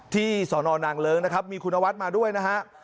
ที่สนนางเลิ้งนะครับมีคุณนวัดมาด้วยนะครับ